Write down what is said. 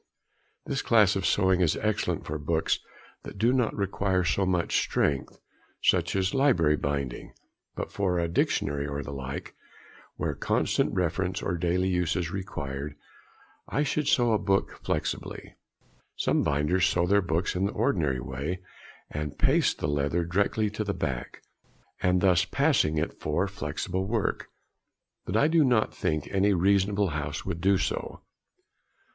This class of sewing is excellent for books that do not require so much strength, such as library bindings, but for a dictionary or the like, where constant |29| reference or daily use is required, I should sew a book flexibly. Some binders sew their books in the ordinary way, and paste the leather directly to the back, and thus pass it for flexible work; but I do not think any respectable house would do so.